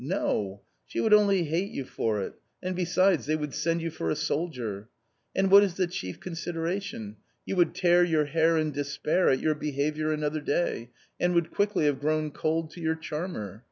No, she would only hate you for it, and besides, they would send you for a soldier And what is the chief consideration; you would tear your hair in despair at your behaviour another day and would quickly have grown cold to. your charmer.